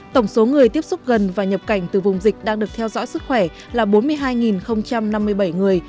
tổng số người tiếp xúc gần và nhập cảnh từ vùng dịch đang được theo dõi sức khỏe là bốn mươi hai năm mươi bảy người